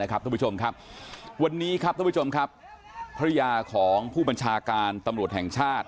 คุณผู้ชมครับวันนี้ครับท่านผู้ชมครับภรรยาของผู้บัญชาการตำรวจแห่งชาติ